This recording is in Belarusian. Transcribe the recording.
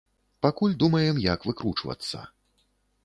Пакуль думаем, як выкручвацца.